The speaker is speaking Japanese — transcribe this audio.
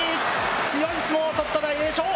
強い相撲とった、大栄翔。